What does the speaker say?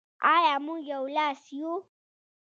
آیا موږ یو لاس یو؟